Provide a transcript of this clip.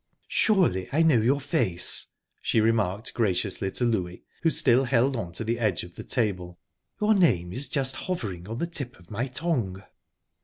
"Surely I know your face?" she remarked graciously to Louie, who still held on to the edge of the table. "Your name is just hovering on the tip of my tongue."